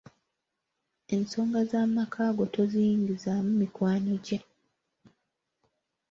Ensonga z'amaka go toziyingizaamu mikwano gye.